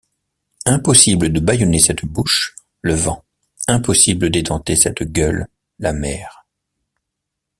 Impossible de bâillonner cette bouche, le vent ; impossible d’édenter cette gueule, la mer.